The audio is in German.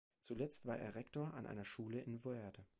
Zuletzt war er Rektor an einer Schule in Voerde.